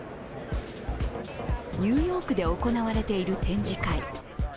ニューヨークで行われている展示会。